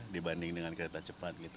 dibanding dengan kereta cepat gitu